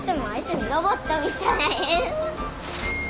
ロボットみたい。